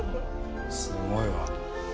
すごいわ。